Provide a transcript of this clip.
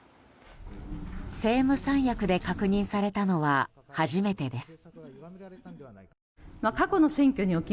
政務三役で確認されたのは初めてです。